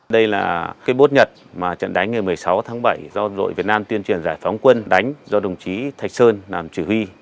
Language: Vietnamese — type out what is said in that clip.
đây là cái bốt nhật mà trận đánh ngày một mươi sáu tháng bảy do đội việt nam tuyên truyền giải phóng quân đánh do đồng chí thạch sơn làm chủ huy